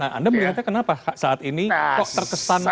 nah anda melihatnya kenapa saat ini kok terkesan